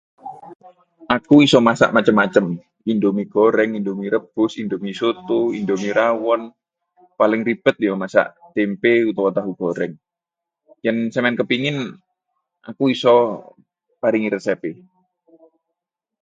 Aku isa masak macem-macem: indomie goreng, indomie rebus, indomie soto, indomie rawon, paling ribet yo masak tempe utawa tahu goreng. Yen sampeyan kepengin, aku isa paring resepe.